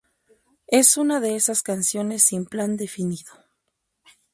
Es una de esas canciones sin plan definido.